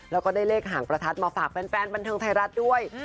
แล้วก็ได้เลขหางประทัดมาฝากแฟนบันเทิงไทยรัฐด้วย